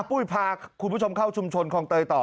ปุ้ยพาคุณผู้ชมเข้าชุมชนคลองเตยต่อ